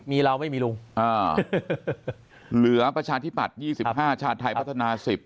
มีเราไม่มีลุงอ่าเหลือประชาธิปัตย์ยี่สิบห้าชาติไทยพัฒนาสิบ